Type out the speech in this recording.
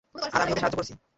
আর আমি ওকে সাহায্য করেছি।